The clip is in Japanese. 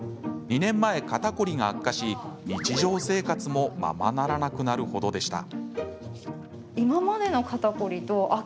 ２年前、肩こりが悪化し日常生活もままならなくなるほどでした。